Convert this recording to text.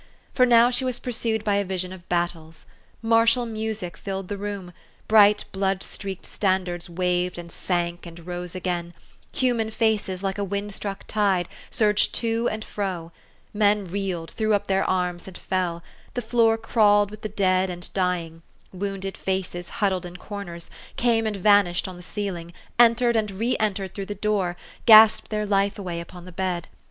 For now she was pursued by a vision of battles. Martial music filled the room ; bright blood streaked standards waved and sank and rose again ; human faces, like a wind struck tide, surged to and fro ; men reeled, threw up their arms, and fell ; the floor crawled with the dead and dying; wounded faces huddled in corners, came and vanished on the ceil ing, entered and re entered through the door, gasped 152 THE STORY OF AVIS. their life away upon the bed.